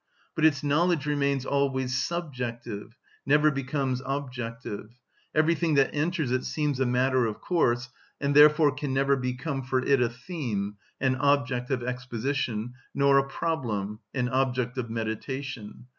But its knowledge remains always subjective, never becomes objective; everything that enters it seems a matter of course, and therefore can never become for it a theme (an object of exposition) nor a problem (an object of meditation).